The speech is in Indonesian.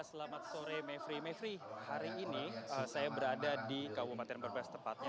selamat sore mevri mevri hari ini saya berada di kabupaten brebes tepatnya